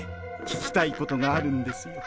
聞きたいことがあるんですよ。